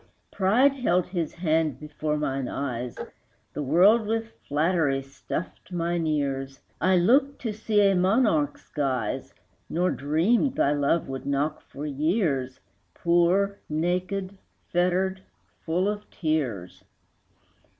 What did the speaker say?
Pride held his hand before mine eyes, The world with flattery stuffed mine ears; I looked to see a monarch's guise, Nor dreamed thy love would knock for years, Poor, naked, fettered, full of tears.